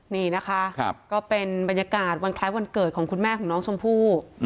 นี่นะคะก็เป็นบรรยากาศวันคล้ายวันเกิดของคุณแม่ของน้องชมพู่